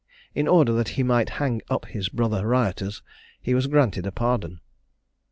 In order that he might hang up his brother rioters, he was granted a pardon!